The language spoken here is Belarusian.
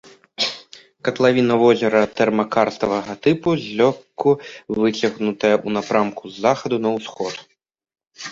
Катлавіна возера тэрмакарставага тыпу, злёгку выцягнутая ў напрамку з захаду на ўсход.